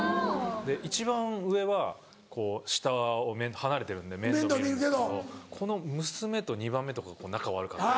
一番上は下を離れてるんで面倒見るんですけどこの娘と２番目とかが仲悪かったり。